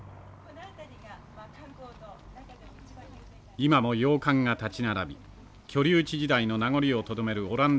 今も洋館が立ち並び居留地時代の名残をとどめるオランダ坂界わい。